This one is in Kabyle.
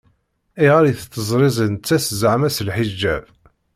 Ayɣer i tettezriri nettat zeɛma s lḥiǧab?